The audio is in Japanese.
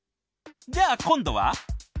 じゃあ今度は？